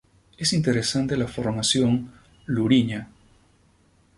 Es interesante la formación Lourinhã.